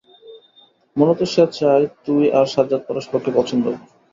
মূলত সে চায় তুই আর সাজ্জাদ পরষ্পরকে পছন্দ কর।